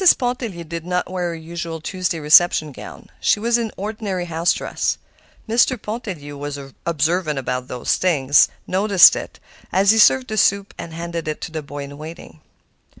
Pontellier did not wear her usual Tuesday reception gown; she was in ordinary house dress. Mr. Pontellier, who was observant about such things, noticed it, as he served the soup and handed it to the boy in waiting.